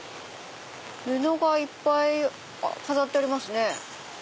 布がいっぱい飾ってありますね。